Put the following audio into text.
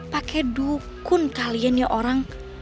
pakai dukun kalian ya orang